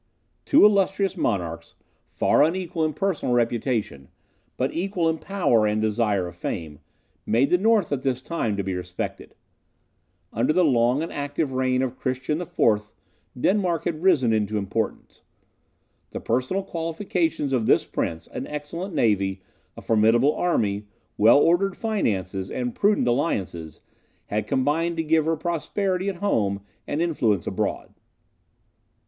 Two illustrious monarchs, far unequal in personal reputation, but equal in power and desire of fame, made the North at this time to be respected. Under the long and active reign of Christian IV., Denmark had risen into importance. The personal qualifications of this prince, an excellent navy, a formidable army, well ordered finances, and prudent alliances, had combined to give her prosperity at home and influence abroad.